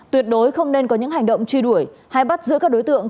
tuyệt đối không nên có những hành động truy đuổi hay bắt giữ các đối tượng